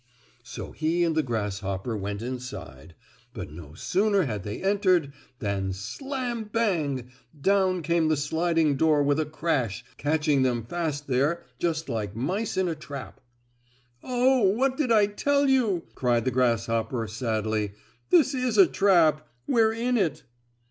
So he and the grasshopper went inside, but no sooner had they entered, than slam bang! down came the sliding door with a crash, catching them fast there just like mice in a trap. "Oh, what did I tell you!" cried the grasshopper, sadly. "This is a trap! We're in it."